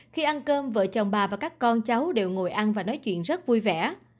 khi ăn cơm vợ chồng bà và các con cháu đều ngồi ăn và nói chuyện rất vui vẻ